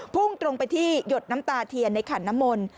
พุ่งตรงไปที่หยดน้ำตาเทียนในขันน้ำมนต์